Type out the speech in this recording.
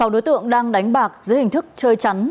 sáu đối tượng đang đánh bạc dưới hình thức chơi chắn